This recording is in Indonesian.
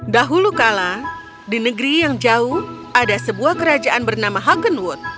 dahulu kala di negeri yang jauh ada sebuah kerajaan bernama hagenwood